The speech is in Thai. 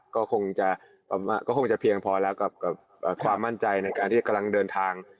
ก็คงจะคงจะเพียงพอแล้วกับความมั่นใจในการที่กำลังเดินทาง